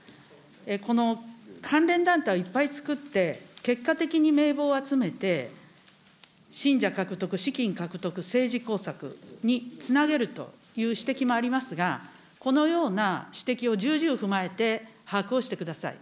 この関連団体いっぱいつくって、結果的に名簿を集めて、信者獲得、資金獲得、政治工作につなげるという指摘もありますが、このような指摘を重々踏まえて把握をしてください。